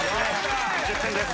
１０点です。